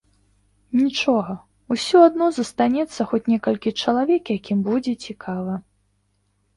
Нічога, усё адно застанецца хоць некалькі чалавек, якім будзе цікава.